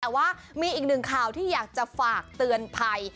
แต่ว่ามีอีกหนึ่งข่าวที่อยากจะฝากเตือนภัย